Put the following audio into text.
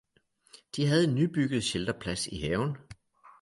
De havde en nybygget shelterplads i haven.